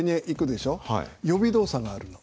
予備動作があるの。